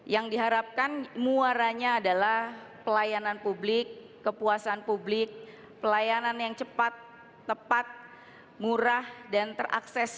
yang diharapkan muaranya adalah pelayanan publik kepuasan publik pelayanan yang cepat tepat murah dan terakses